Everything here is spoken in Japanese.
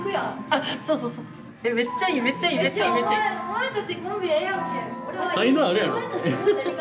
お前たちコンビええやんけ。